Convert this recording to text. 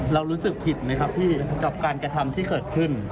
รู้สึกผิดไหมครับพี่กับการกระทำที่เกิดขึ้น